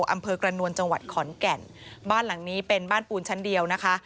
อำเภอกระนวลจังหวัดขอนแก่นบ้านหลังนี้เป็นบ้านปูนชั้นเดียวนะคะ